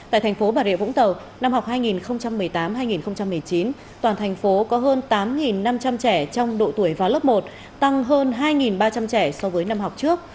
tại thành phố bà rịa vũng tàu năm học hai nghìn một mươi tám hai nghìn một mươi chín toàn thành phố có hơn tám năm trăm linh trẻ trong độ tuổi vào lớp một tăng hơn hai ba trăm linh trẻ so với năm học trước